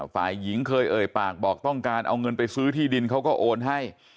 ฝ่ายหญิงเคยเอ่ยปากบอกต้องการเอาเงินไปซื้อที่ดินเขาก็โอนให้